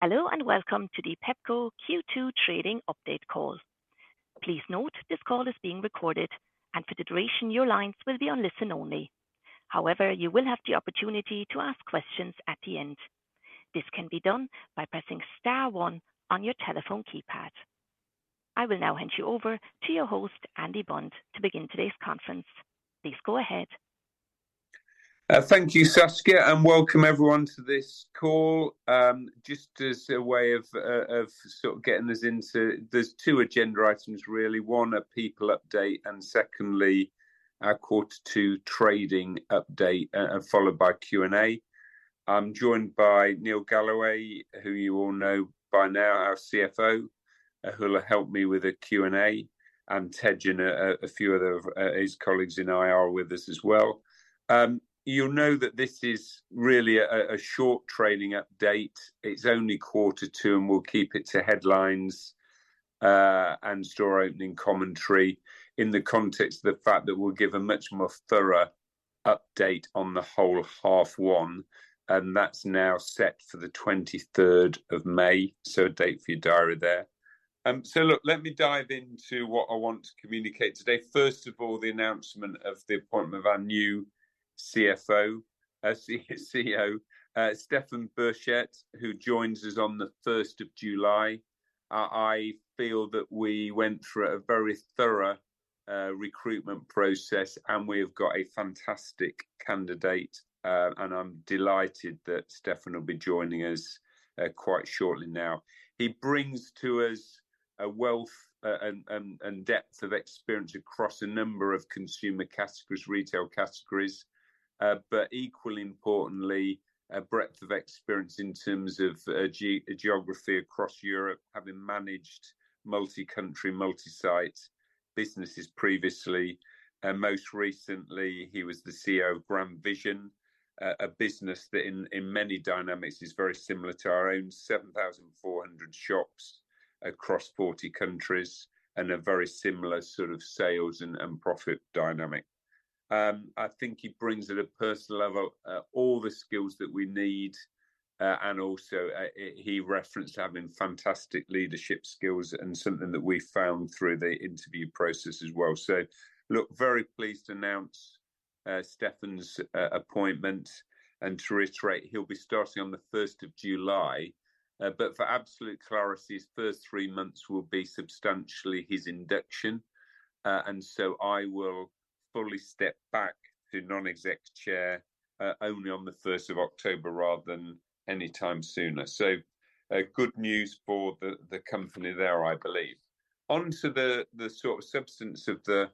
Hello and welcome to the Pepco Q2 trading update call. Please note this call is being recorded, and for the duration your lines will be on listen-only. However, you will have the opportunity to ask questions at the end. This can be done by pressing Star one on your telephone keypad. I will now hand you over to your host, Andy Bond, to begin today's conference. Please go ahead. Thank you, Saskia, and welcome everyone to this call. Just as a way of sort of getting us into there's 2 agenda items, really. One are people update, and secondly, our quarter two trading update, followed by Q&A. I'm joined by Neil Galloway, who you all know by now, our CFO, who'll help me with the Q&A, and Tej Randhawa, a few of his colleagues in IR with us as well. You'll know that this is really a short trading update. It's only quarter two, and we'll keep it to headlines and store opening commentary in the context of the fact that we'll give a much more thorough update on the whole half one. And that's now set for the 23rd of May, so a date for your diary there. So look, let me dive into what I want to communicate today. First of all, the announcement of the appointment of our new CFO, CEO, Stephan Borchert, who joins us on the 1st of July. I feel that we went through a very thorough recruitment process, and we have got a fantastic candidate, and I'm delighted that Stephan will be joining us quite shortly now. He brings to us a wealth and depth of experience across a number of consumer categories, retail categories, but equally importantly, a breadth of experience in terms of geography across Europe, having managed multi-country, multi-site businesses previously. Most recently, he was the CEO of GrandVision, a business that in many dynamics is very similar to our own 7,400 shops across 40 countries and a very similar sort of sales and profit dynamic. I think he brings at a personal level all the skills that we need, and also he referenced having fantastic leadership skills and something that we found through the interview process as well. So look, very pleased to announce Stephan's appointment and to reiterate, he'll be starting on the 1st of July. But for absolute clarity, his first three months will be substantially his induction. And so I will fully step back to Non-Exec Chair only on the 1st of October rather than anytime sooner. So good news for the company there, I believe. Onto the sort of substance of the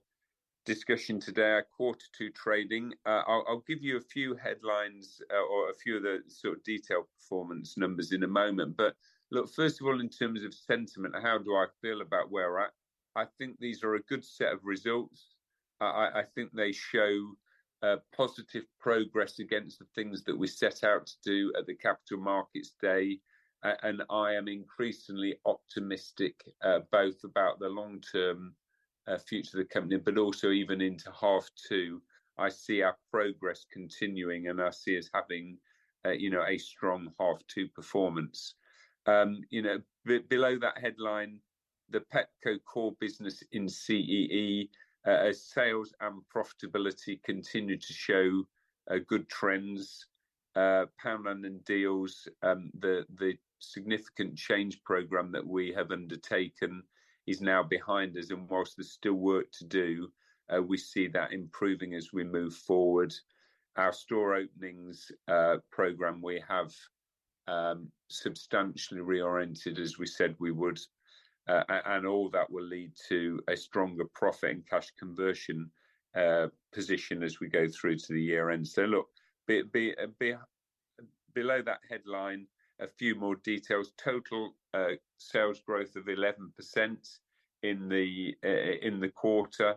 discussion today, our quarter two trading. I'll give you a few headlines or a few of the sort of detailed performance numbers in a moment. But look, first of all, in terms of sentiment, how do I feel about where we're at? I think these are a good set of results. I think they show positive progress against the things that we set out to do at the Capital Markets Day. I am increasingly optimistic both about the long-term future of the company, but also even into half two. I see our progress continuing, and I see us having a strong half two performance. Below that headline, the Pepco core business in CEE, sales and profitability continue to show good trends. Poundland, Dealz, the significant change program that we have undertaken is now behind us. And while there's still work to do, we see that improving as we move forward. Our store openings program, we have substantially reoriented as we said we would. And all that will lead to a stronger profit and cash conversion position as we go through to the year-end. So look, below that headline, a few more details. Total sales growth of 11% in the quarter.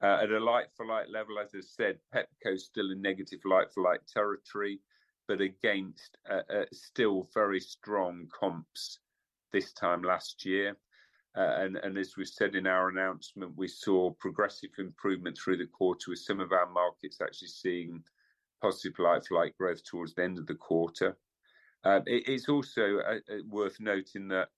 At a like-for-like level, as I said, Pepco is still in negative like-for-like territory, but against still very strong comps this time last year. And as we said in our announcement, we saw progressive improvement through the quarter with some of our markets actually seeing positive like-for-like growth towards the end of the quarter. It's also worth noting that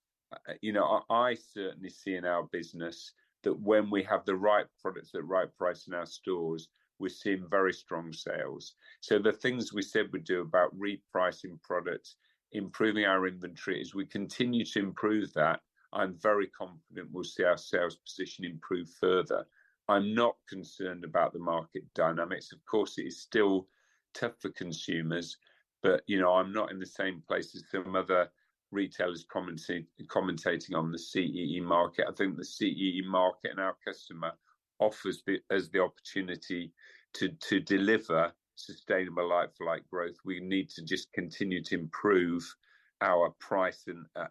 I certainly see in our business that when we have the right products at the right price in our stores, we're seeing very strong sales. So the things we said we'd do about repricing products, improving our inventory, as we continue to improve that, I'm very confident we'll see our sales position improve further. I'm not concerned about the market dynamics. Of course, it is still tough for consumers, but I'm not in the same place as some other retailers commenting on the CEE market. I think the CEE market and our customer offers us the opportunity to deliver sustainable like-for-like growth. We need to just continue to improve our price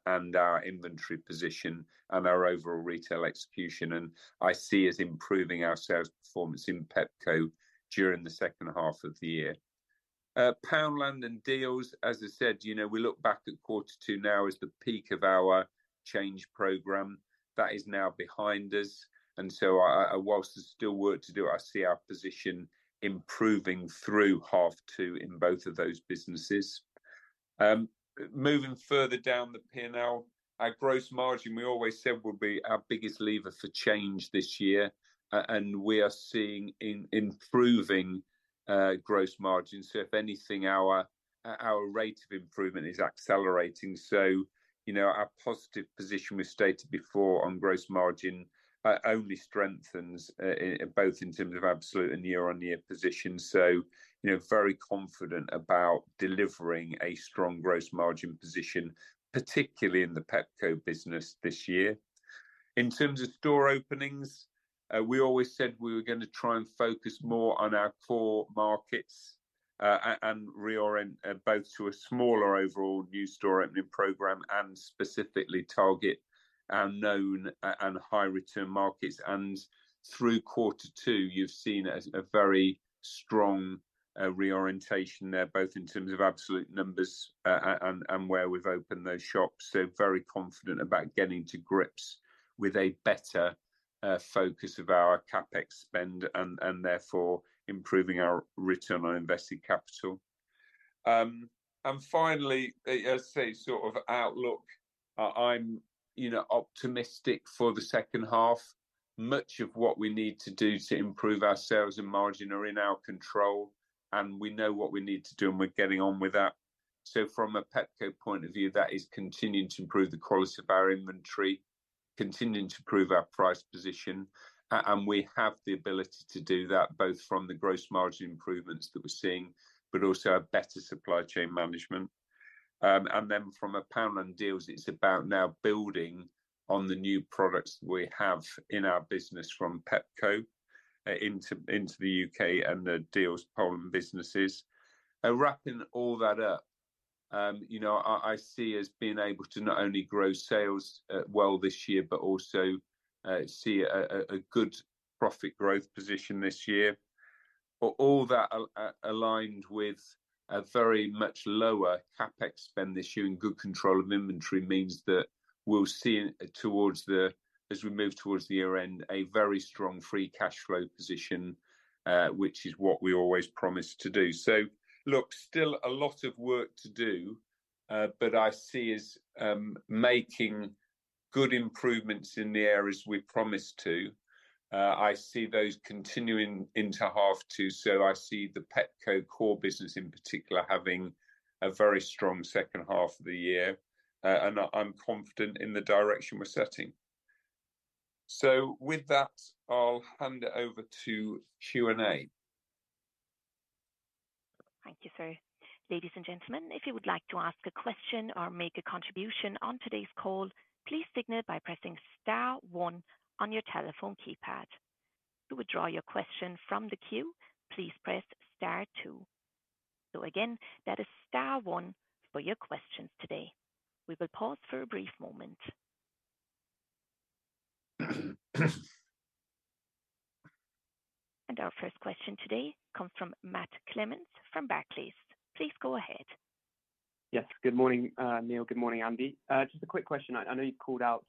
and our inventory position and our overall retail execution. I see us improving our sales performance in Pepco during the second half of the year. Poundland, Dealz, as I said, we look back at quarter two now as the peak of our change program. That is now behind us. So while there's still work to do, I see our position improving through half two in both of those businesses. Moving further down the P&L, our gross margin, we always said will be our biggest lever for change this year. We are seeing improving gross margin. So if anything, our rate of improvement is accelerating. So our positive position, we stated before, on gross margin only strengthens both in terms of absolute and year-over-year position. So very confident about delivering a strong gross margin position, particularly in the Pepco business this year. In terms of store openings, we always said we were going to try and focus more on our core markets and reorient both to a smaller overall new store opening program and specifically target our known and high-return markets. And through quarter two, you've seen a very strong reorientation there both in terms of absolute numbers and where we've opened those shops. So very confident about getting to grips with a better focus of our CapEx spend and therefore improving our return on invested capital. And finally, as I say, sort of outlook, I'm optimistic for the second half. Much of what we need to do to improve our sales and margin are in our control. We know what we need to do, and we're getting on with that. From a Pepco point of view, that is continuing to improve the quality of our inventory, continuing to improve our price position. We have the ability to do that both from the gross margin improvements that we're seeing, but also a better supply chain management. Then from a Poundland and Dealz, it's about now building on the new products that we have in our business from Pepco into the U.K. and the Dealz Poland businesses. Wrapping all that up, I see us being able to not only grow sales well this year, but also see a good profit growth position this year. But all that aligned with a very much lower CapEx spend this year and good control of inventory means that we'll see, towards the as we move towards the year-end, a very strong free cash flow position, which is what we always promised to do. So look, still a lot of work to do, but I see us making good improvements in the areas we promised to. I see those continuing into half two. So I see the Pepco core business in particular having a very strong second half of the year. And I'm confident in the direction we're setting. So with that, I'll hand it over to Q&A. Thank you, sir. Ladies and gentlemen, if you would like to ask a question or make a contribution on today's call, please signal by pressing Star one on your telephone keypad. To withdraw your question from the queue, please press Star two. So again, that is Star one for your questions today. We will pause for a brief moment. Our first question today comes from Matt Clements from Barclays. Please go ahead. Yes, good morning, Neil. Good morning, Andy. Just a quick question. I know you've called out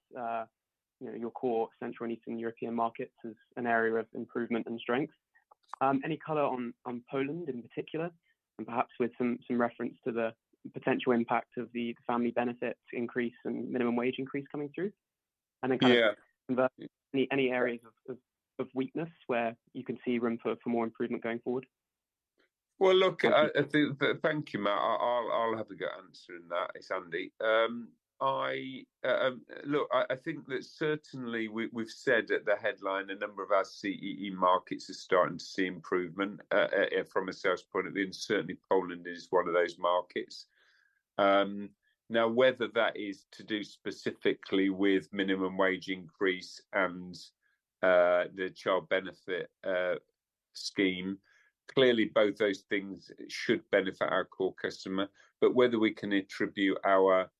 your core Central and Eastern European markets as an area of improvement and strength. Any color on Poland in particular, and perhaps with some reference to the potential impact of the family benefit increase and minimum wage increase coming through? And then kind of any areas of weakness where you can see room for more improvement going forward? Well, look, thank you, Matt. I'll have a go at answering that. It's Andy. Look, I think that certainly we've said at the headline a number of our CEE markets are starting to see improvement from a sales point of view. And certainly, Poland is one of those markets. Now, whether that is to do specifically with minimum wage increase and the child benefit scheme, clearly, both those things should benefit our core customer. But whether we can attribute our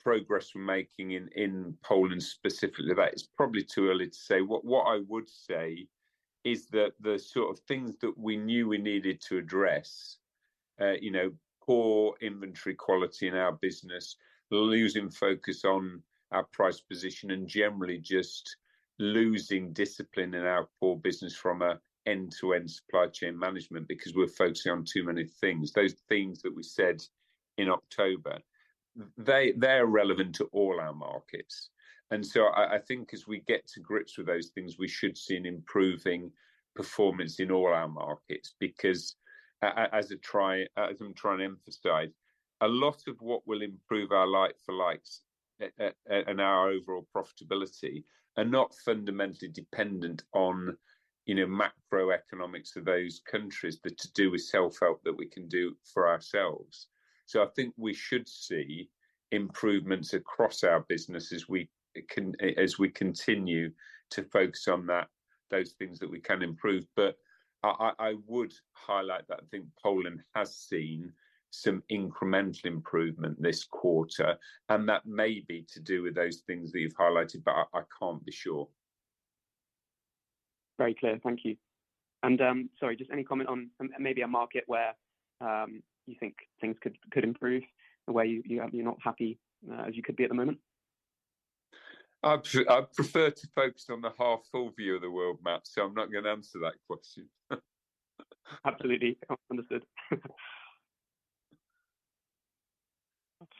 progress we're making in Poland specifically, that is probably too early to say. What I would say is that the sort of things that we knew we needed to address, poor inventory quality in our business, losing focus on our price position, and generally just losing discipline in our core business from an end-to-end supply chain management because we're focusing on too many things, those things that we said in October, they're relevant to all our markets. And so I think as we get to grips with those things, we should see an improving performance in all our markets. Because as I'm trying to emphasize, a lot of what will improve our like-for-likes and our overall profitability are not fundamentally dependent on macroeconomics of those countries, but to do with self-help that we can do for ourselves. So I think we should see improvements across our business as we continue to focus on those things that we can improve. I would highlight that I think Poland has seen some incremental improvement this quarter. That may be to do with those things that you've highlighted, but I can't be sure. Very clear. Thank you. Sorry, just any comment on maybe a market where you think things could improve the way you're not happy as you could be at the moment? I prefer to focus on the half full view of the world, Matt. I'm not going to answer that question. Absolutely. Understood. Thank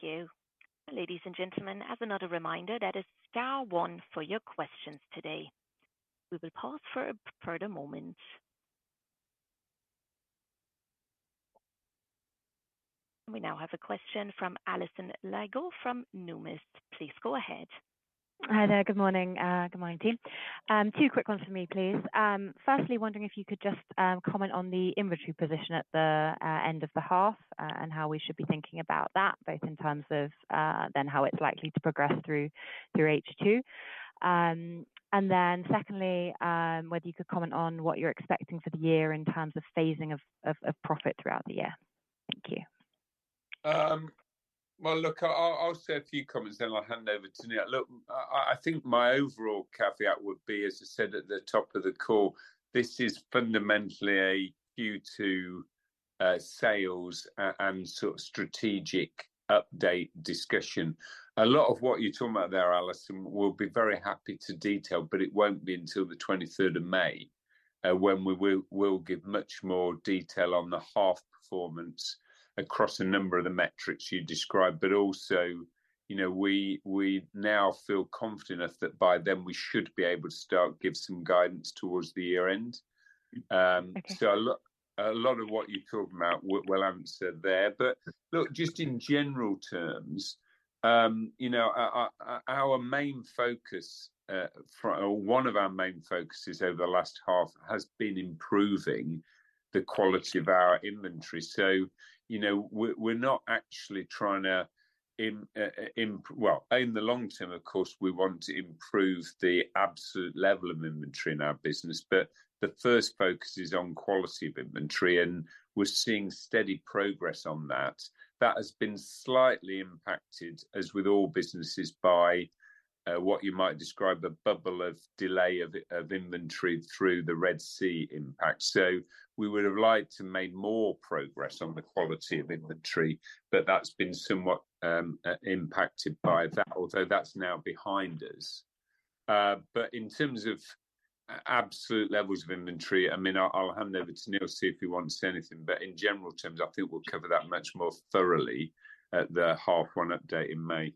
you. Ladies and gentlemen, as another reminder, that is Star one for your questions today. We will pause for a further moment. We now have a question from Alison Lygo from Numis. Please go ahead. Hi there. Good morning. Good morning, team. Two quick ones for me, please. Firstly, wondering if you could just comment on the inventory position at the end of the half and how we should be thinking about that, both in terms of then how it's likely to progress through H2. And then secondly, whether you could comment on what you're expecting for the year in terms of phasing of profit throughout the year. Thank you. Well, look, I'll say a few comments, then I'll hand over to Neil. Look, I think my overall caveat would be, as I said at the top of the call, this is fundamentally due to sales and sort of strategic update discussion. A lot of what you're talking about there, Alison, we'll be very happy to detail, but it won't be until the 23rd of May when we will give much more detail on the half performance across a number of the metrics you described. But also, we now feel confident enough that by then, we should be able to start to give some guidance towards the year-end. So a lot of what you're talking about will answer there. But look, just in general terms, our main focus or one of our main focuses over the last half has been improving the quality of our inventory. So we're not actually trying to well, in the long-term, of course, we want to improve the absolute level of inventory in our business. But the first focus is on quality of inventory. And we're seeing steady progress on that. That has been slightly impacted, as with all businesses, by what you might describe as a bubble of delay of inventory through the Red Sea impact. So we would have liked to make more progress on the quality of inventory, but that's been somewhat impacted by that, although that's now behind us. But in terms of absolute levels of inventory, I mean, I'll hand over to Neil to see if he wants to say anything. But in general terms, I think we'll cover that much more thoroughly at the half one update in May.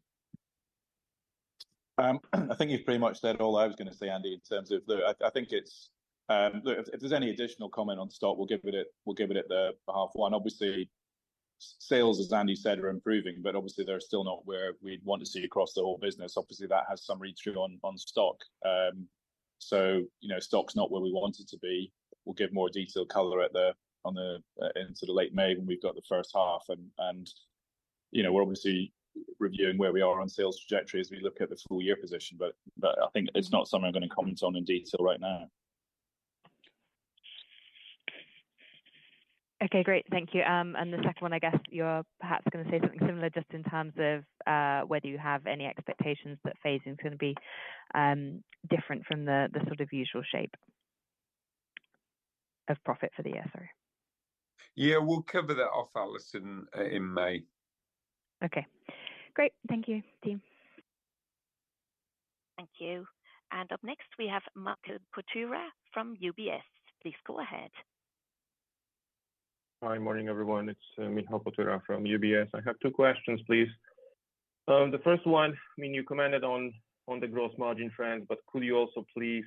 I think you've pretty much said all I was going to say, Andy, in terms of the I think it's look. If there's any additional comment on stock, we'll give it at the half one. Obviously, sales, as Andy said, are improving. But obviously, they're still not where we'd want to see across the whole business. Obviously, that has some reach through on stock. So stock's not where we want it to be. We'll give more detailed color into the late May when we've got the first half. And we're obviously reviewing where we are on sales trajectory as we look at the full-year position. But I think it's not something I'm going to comment on in detail right now. Okay, great. Thank you. And the second one, I guess you're perhaps going to say something similar just in terms of whether you have any expectations that phasing is going to be different from the sort of usual shape of profit for the year. Sorry. Yeah, we'll cover that off, Alison, in May. Okay. Great. Thank you, team. Thank you. And up next, we have Michał Potyra from UBS. Please go ahead. Hi, morning, everyone. It's Michał Potyra from UBS. I have two questions, please. The first one, I mean, you commented on the gross margin trends, but could you also please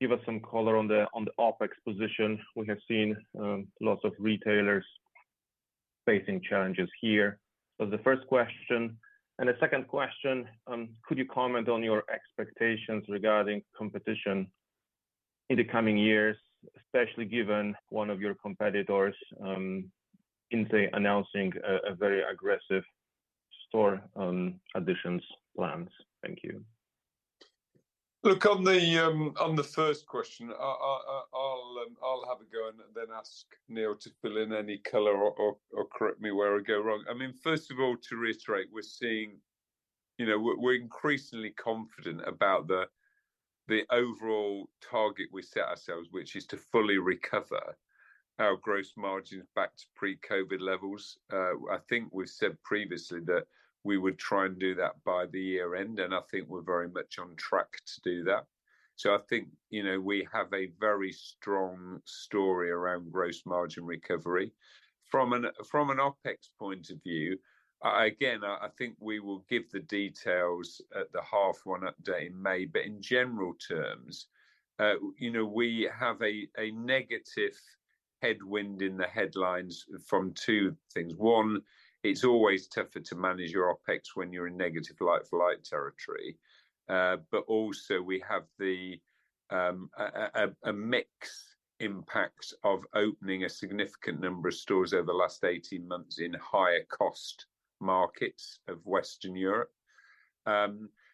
give us some color on the OpEx position? We have seen lots of retailers facing challenges here. So the first question. And the second question, could you comment on your expectations regarding competition in the coming years, especially given one of your competitors announcing a very aggressive store additions plan? Thank you. Look, on the first question, I'll have a go and then ask Neil to fill in any color or correct me where I go wrong. I mean, first of all, to reiterate, we're seeing we're increasingly confident about the overall target we set ourselves, which is to fully recover our gross margins back to pre-COVID levels. I think we've said previously that we would try and do that by the year-end. And I think we're very much on track to do that. So I think we have a very strong story around gross margin recovery. From an OpEx point of view, again, I think we will give the details at the half one update in May. But in general terms, we have a negative headwind in the headlines from two things. One, it's always tougher to manage your OpEx when you're in negative like-for-like territory. But also, we have a mixed impact of opening a significant number of stores over the last 18 months in higher-cost markets of Western Europe.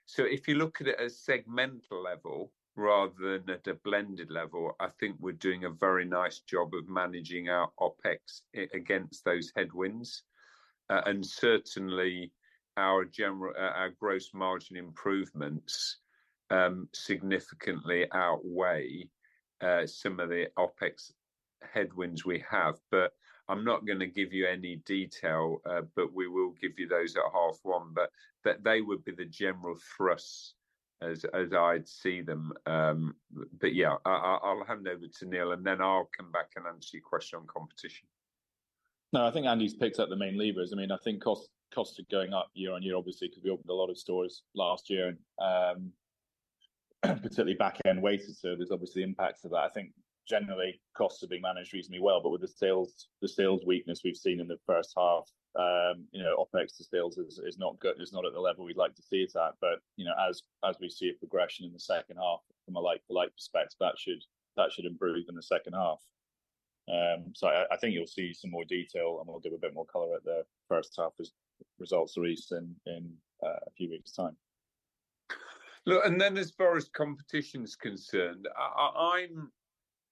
So if you look at it at a segmental level rather than at a blended level, I think we're doing a very nice job of managing our OpEx against those headwinds. And certainly, our gross margin improvements significantly outweigh some of the OpEx headwinds we have. But I'm not going to give you any detail, but we will give you those at half one. But they would be the general thrust as I'd see them. But yeah, I'll hand over to Neil. And then I'll come back and answer your question on competition. No, I think Andy's picked up the main levers. I mean, I think costs are going up year-on-year, obviously, because we opened a lot of stores last year, and particularly back-end weighted, obviously, impacts of that. I think generally, costs are being managed reasonably well. But with the sales weakness we've seen in the first half, OpEx to sales is not at the level we'd like to see it at. But as we see a progression in the second half from a like-for-like perspective, that should improve in the second half. So I think you'll see some more detail. And we'll give a bit more color at the first half as results are released in a few weeks' time. Look, and then as far as competition is concerned,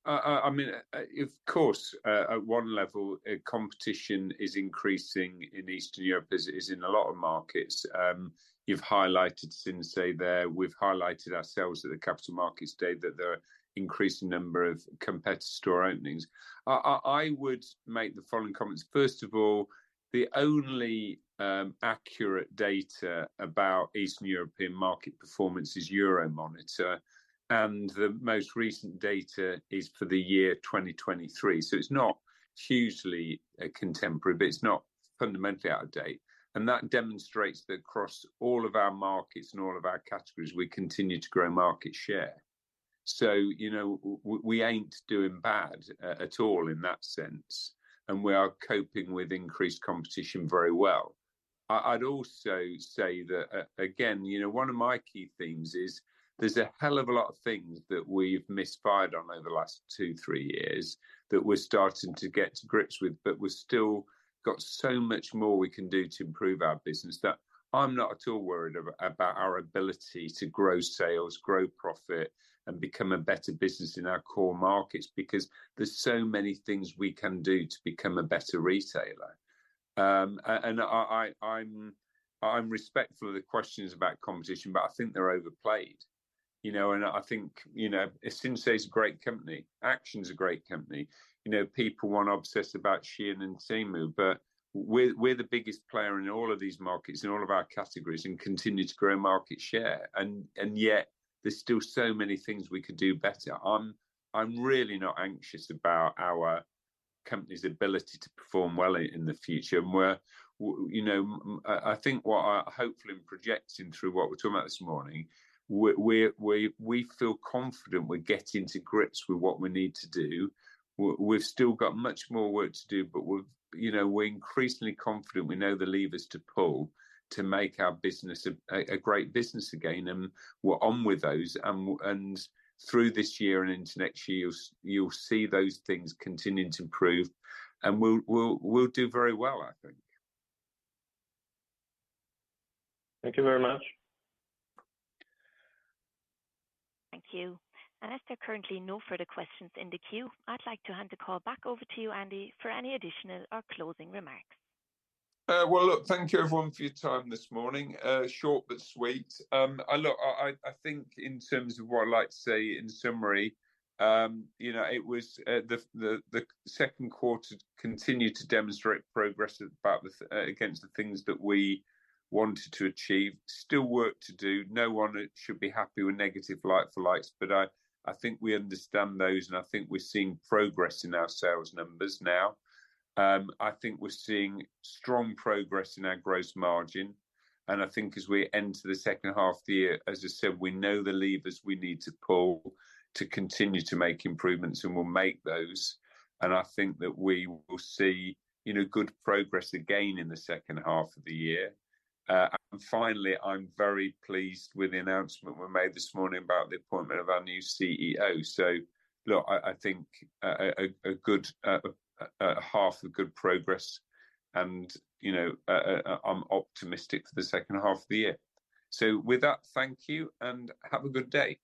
I mean, of course, at one level, competition is increasing in Eastern Europe as it is in a lot of markets. You've highlighted Sinsay, there we've highlighted ourselves at the Capital Markets Day that there are an increasing number of competitor store openings. I would make the following comments. First of all, the only accurate data about Eastern European market performance is Euromonitor. And the most recent data is for the year 2023. So it's not hugely contemporary. But it's not fundamentally out of date. And that demonstrates that across all of our markets and all of our categories, we continue to grow market share. So we ain't doing bad at all in that sense. And we are coping with increased competition very well. I'd also say that, again, one of my key themes is there's a hell of a lot of things that we've misfired on over the last two, three years that we're starting to get to grips with. But we've still got so much more we can do to improve our business that I'm not at all worried about our ability to grow sales, grow profit, and become a better business in our core markets. Because there's so many things we can do to become a better retailer. And I'm respectful of the questions about competition. But I think they're overplayed. And I think Sinsay's a great company, Action's a great company. People want to obsess about Shein and Temu. But we're the biggest player in all of these markets and all of our categories and continue to grow market share. And yet, there's still so many things we could do better. I'm really not anxious about our company's ability to perform well in the future. And I think what I'm hopefully projecting through what we're talking about this morning, we feel confident we're getting to grips with what we need to do. We've still got much more work to do. But we're increasingly confident we know the levers to pull to make our business a great business again. And we're on with those. And through this year and into next year, you'll see those things continuing to improve. And we'll do very well, I think. Thank you very much. Thank you. As there are currently no further questions in the queue, I'd like to hand the call back over to you, Andy, for any additional or closing remarks. Well, look, thank you, everyone, for your time this morning. Short but sweet. Look, I think in terms of what I'd like to say in summary, it was the second quarter continued to demonstrate progress against the things that we wanted to achieve. Still work to do. No one should be happy with negative like-for-likes. But I think we understand those. And I think we're seeing progress in our sales numbers now. I think we're seeing strong progress in our gross margin. And I think as we enter the second half of the year, as I said, we know the levers we need to pull to continue to make improvements. And we'll make those. And I think that we will see good progress again in the second half of the year. And finally, I'm very pleased with the announcement we made this morning about the appointment of our new CEO. So, look, I think a half of good progress. I'm optimistic for the second half of the year. With that, thank you. Have a good day.